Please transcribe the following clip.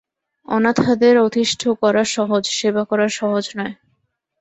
অনাথাদের অতিষ্ঠ করা সহজ, সেবা করা সহজ নয়।